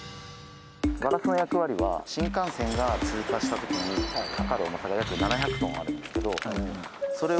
新幹線が通過した時にかかる重さが約７００トンあるんですけどそれを。